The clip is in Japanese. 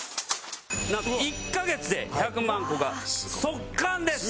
なんと１カ月で１００万個が即完です。